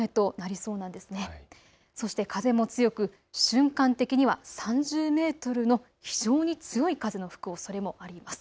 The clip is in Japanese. そして風も強く瞬間的には３０メートルの非常に強い風の吹くおそれもあります。